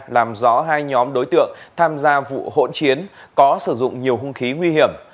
làm rõ hai nhóm đối tượng tham gia vụ hỗn chiến có sử dụng nhiều hung khí nguy hiểm